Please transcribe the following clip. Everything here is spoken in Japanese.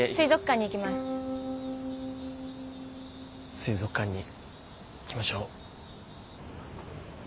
水族館に行きましょう。